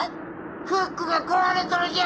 フックが壊れとるじゃ！